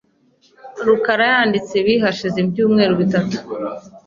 rukara yanditse ibi hashize ibyumweru bitatu .